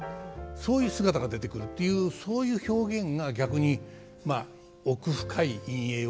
そういう姿が出てくるというそういう表現が逆に奧深い陰影を見せるという。